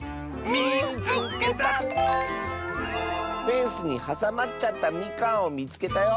「フェンスにはさまっちゃったみかんをみつけたよ」。